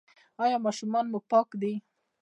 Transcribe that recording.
ایا ماشومان مو پاک دي؟